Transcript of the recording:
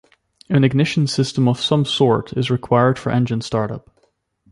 An ignition system of some sort is required for engine startup.